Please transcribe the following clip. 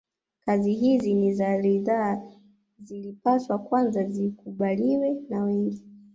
Kazi hizi ni za ridhaa zilipaswa kwanza zikubaliwe na wengi